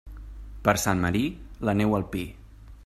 Per Sant Marí, la neu al pi.